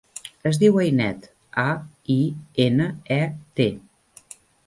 Es diu Ainet: a, i, ena, e, te.